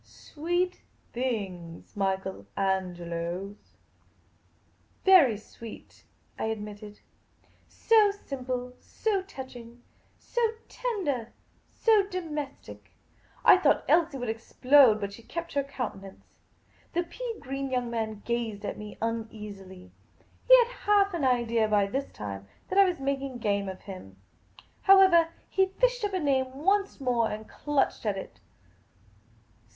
" Sweet things, Michael Angelo's !"" Very sweet," I admitted. " So simple ; so touching ; so tender ; so domestic !" I thought Elsie would explode ; but she kept her counte nance. The pea green young man gazed at me uneasily. He had half an idea by this time that I was making game of him. However, he fished up a name once more, and clutched at it.